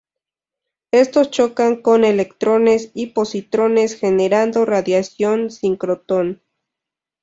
Estos chocan con electrones y positrones generando radiación sincrotrón.